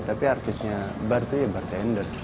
tapi artisnya bar itu ya bartender